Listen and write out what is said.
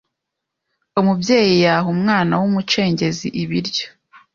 umubyeyi yaha umwana w’umucengezi ibiryo,